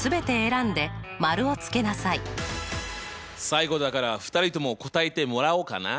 最後だから２人とも答えてもらおうかな。